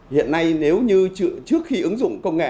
hiện nay nếu như trước khi ứng dụng công nghệ